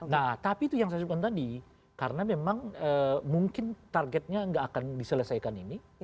nah tapi itu yang saya sebutkan tadi karena memang mungkin targetnya nggak akan diselesaikan ini